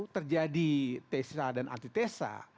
terjadi tesa dan antitesa